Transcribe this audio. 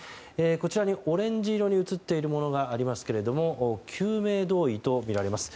こちらにオレンジ色に写っているものがありますけれども救命胴衣とみられます。